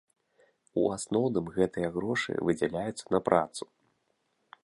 У асноўным гэтыя грошы выдзяляюцца на працу.